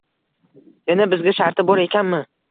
Yana bizga sharti bor ekanmi?